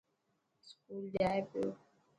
اسڪول جائي پيو.